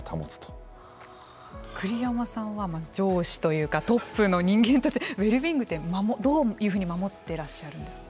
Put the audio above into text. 栗山さんは、まず上司というかトップの人間としてウェルビーイングってどういうふうに守ってらっしゃいますか。